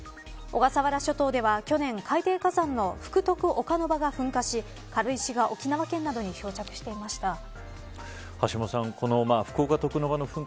小笠原諸島では、去年海底火山の福徳岡ノ場が噴火し軽石が沖縄県などに漂着していました。